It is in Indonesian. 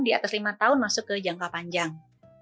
di atas lima tahun masuk ke jangka panjang